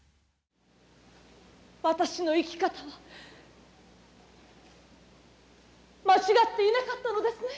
私の生き方は間違っていなかったのですね。